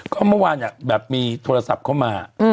ก็เมื่อวานแบบมีโทรศัพท์เข้ามา